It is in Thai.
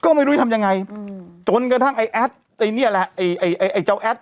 ก็ไม่รู้ทำยังไงอืมจนกระทั่งไอ้แอดไอ้เนี้ยแหละไอ้ไอ้ไอ้เจ้าแอด